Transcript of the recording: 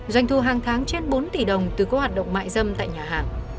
doanh thu hàng tháng trên bốn tỷ đồng từ các hoạt động mại dâm tại nhà hàng